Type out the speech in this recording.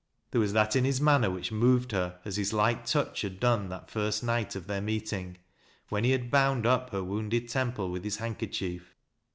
There was that in his manner which moved her as his light touch had done that first night of their meeting, when he had bound up her wounded temple with his handkerchief.